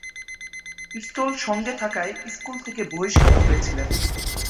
পিস্তল সঙ্গে থাকায় স্কুল থেকে বহিষ্কৃত হয়েছিলেন।